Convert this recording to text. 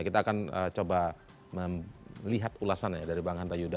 kita akan coba melihat ulasannya dari bang hanta yuda